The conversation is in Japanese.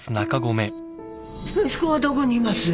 息子はどこにいます？